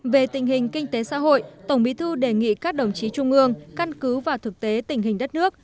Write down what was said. về tình hình kinh tế xã hội tổng bí thư đề nghị các đồng chí trung ương căn cứ vào thực tế tình hình đất nước